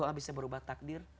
doa bisa berubah takdir